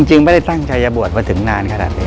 จริงไม่ได้ตั้งใจจะบวชมาถึงนานขนาดนี้